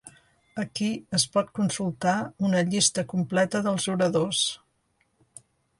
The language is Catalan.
Aquí es pot consultar una llista completa dels oradors.